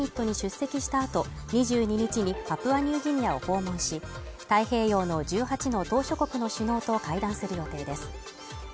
バイデン大統領は日本でＧ７広島サミットに出席した後２２日にパプアニューギニアを訪問し、太平洋の１８の島嶼国の首脳と会談する予定です。